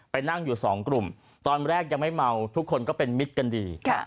นั่งอยู่สองกลุ่มตอนแรกยังไม่เมาทุกคนก็เป็นมิตรกันดี